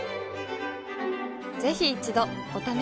ぜひ一度お試しを。